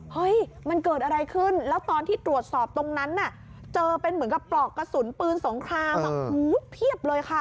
เฮ้ยมันเกิดอะไรขึ้นแล้วตอนที่ตรวจสอบตรงนั้นน่ะเจอเป็นเหมือนกับปลอกกระสุนปืนสงครามเพียบเลยค่ะ